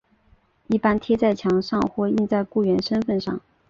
一般贴在墙上或印在雇员身份上。